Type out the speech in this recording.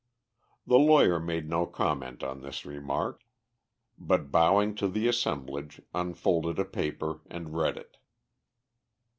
The lawyer made no comment on this remark, but bowing to the assemblage, unfolded a paper and read it.